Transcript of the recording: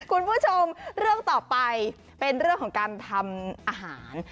คุณผู้ชมเรื่องต่อไปเป็นเรื่องของการทำอาหาร